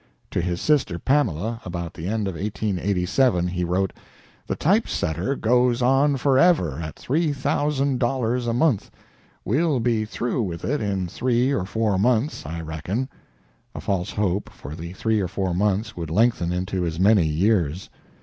To his sister Pamela, about the end of 1887, he wrote: "The type setter goes on forever at $3,000 a month.... We'll be through with it in three or four months, I reckon" a false hope, for the three or four months would lengthen into as many years.